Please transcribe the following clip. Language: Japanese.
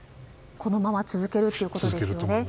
このまま続けるということですよね。